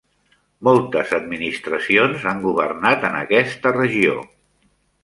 Moltes administracions han governat en aquesta regió.